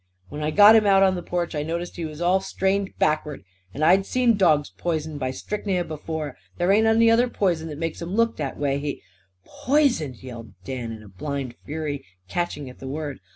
When I got him out on the porch I noticed he was all strained backward. And I'd seen dogs poisoned by strychnia before. There ain't any other poison that makes 'em look that way. He " "Poisoned!" yelled Dan in blind fury, catching at the word.